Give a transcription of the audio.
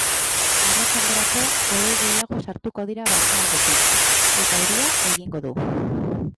Arratsalderako, hodei gehiago sartuko dira barnealdetik, eta euria egingo du.